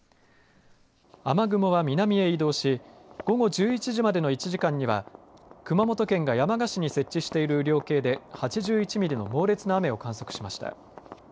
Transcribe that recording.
雨雲は南へ移動し午後１１時までの１時間には熊本県が山鹿市に設置している雨量計で８１ミリの猛烈な雨を観測しました。